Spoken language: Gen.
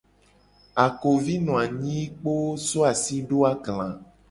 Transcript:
Akovi no anyi kpoo so asi do agla.